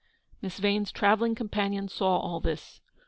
Miss Vane's travelling companion saw all this.